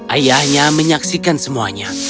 ayahnya menyaksikan semuanya